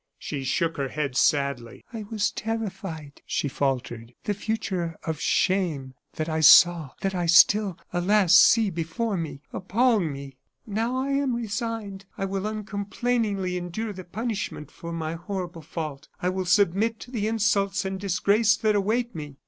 She shook her head sadly. "I was terrified," she faltered. "The future of shame that I saw that I still alas! see before me, appalled me. Now I am resigned. I will uncomplainingly endure the punishment for my horrible fault I will submit to the insults and disgrace that await me!"